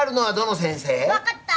分かった！